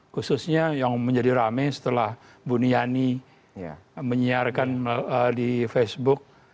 khususnya yang menjadi rame setelah buniani menyiarkan di facebook